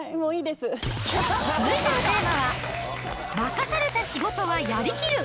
続いてのテーマは、任された仕事はやりきる！